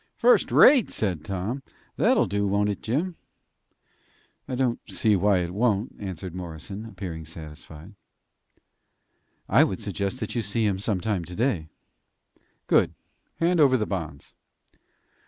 "First rate!" said Tom. "That'll do, won't it, Jim?" "I don't see why it won't," answered Morrison, appearing satisfied. "I would suggest that you see him some time today." "Good! Hand over the bonds."